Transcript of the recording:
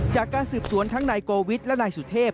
จากการสืบป้วนทั้งไนโกวิสและไนสุเทพ